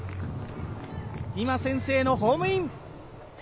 今、先制のホームイン。